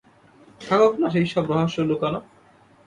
থাকুক না সেই সব রহস্য লুকানো।